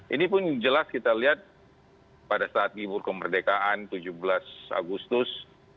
ini pun jelas kita lihat pada saat libur kemerdekaan tujuh belas agustus